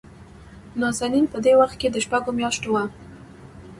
نازنين په دې وخت کې دشپږو مياشتو وه.